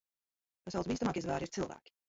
Pasaules bīstamākie zvēri ir cilvēki.